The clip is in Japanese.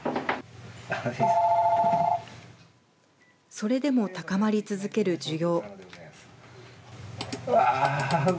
それでも高まり続ける需要。